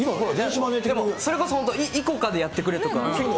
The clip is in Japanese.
でもそれこそ、本当にイコカでやってくれとか。